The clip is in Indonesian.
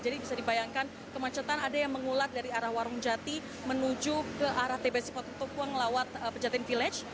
jadi bisa dibayangkan kemacetan ada yang mengulat dari arah warung jati menuju ke arah tbsi patung tukang lawat pejatin village